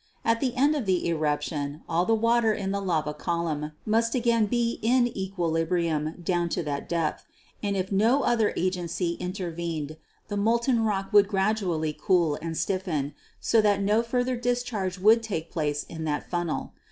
At the end of the eruption all the water in the lava column must again be in equilibrium down to that depth, and if no other agency intervened the molten rock would gradually cool and stiffen, so that no further discharge would take place in that funnel.